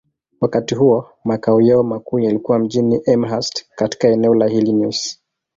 Wakati huo, makao yao makuu yalikuwa mjini Elmhurst, katika eneo la Illinois.